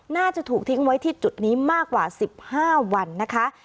น่าจะถูกทิ้งไว้ที่จุดนี้มากกว่า๑๕วันนะคะ